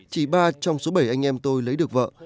chỉ ba trong số bảy anh em tôi lấy được vợ